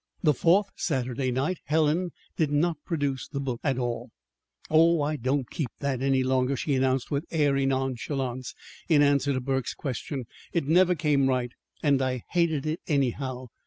The fourth Saturday night Helen did not produce the book at all. "Oh, I don't keep that any longer," she announced, with airy nonchalance, in answer to Burke's question. "It never came right, and I hated it, anyhow.